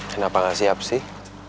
kenapa gak siap sih